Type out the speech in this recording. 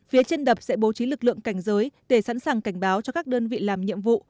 phía trên đập sẽ bố trí lực lượng cảnh giới để sẵn sàng cảnh báo cho các đơn vị làm nhiệm vụ